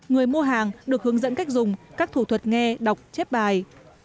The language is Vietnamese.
người mua hàng được hướng dẫn cách dùng các thủ thuật nghe đọc chép bài